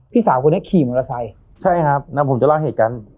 สาวคนนี้ขี่มอเตอร์ไซค์ใช่ครับแล้วผมจะเล่าเหตุการณ์